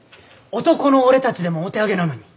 男の俺たちでもお手上げなのに。